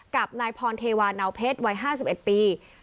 กับนายพรเทวานาวเพชรวัย๕๑ปี